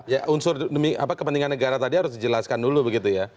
ya unsur demi kepentingan negara tadi harus dijelaskan dulu begitu ya